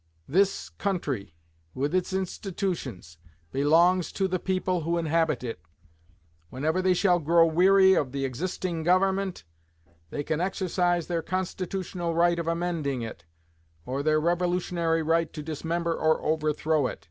This country, with its institutions, belongs to the people who inhabit it. Whenever they shall grow weary of the existing Government, they can exercise their constitutional right of amending it, or their revolutionary right to dismember or overthrow it.